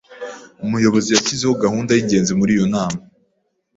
Umuyobozi yashyizeho gahunda y'ingenzi muri iyo nama.